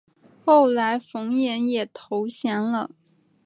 后来冯衍也投降了。